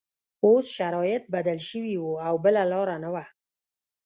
اوس شرایط بدل شوي وو او بله لاره نه وه